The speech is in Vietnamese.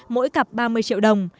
mỗi cặp ba mươi triệu đồng